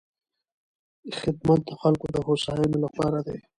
خدمت د خلکو د هوساینې لپاره دی.